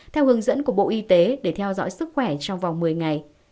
theo hướng dẫn của bộ y tế để theo dõi sức khỏe trong vòng một mươi ngày